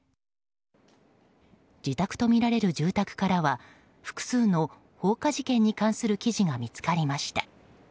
自宅とみられる住宅からは複数の放火事件に関する記事が見つかりました。